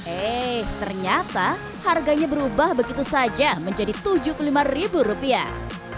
eh ternyata harganya berubah begitu saja menjadi tujuh puluh lima ribu rupiah